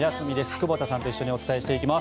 久保田さんと一緒にお伝えしていきます。